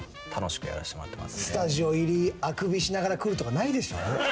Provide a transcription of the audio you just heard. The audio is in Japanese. スタジオ入りあくびしながら来るとかないでしょ？